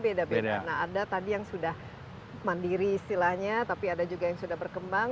karena ada yang sudah mandiri istilahnya tapi ada juga yang sudah berkembang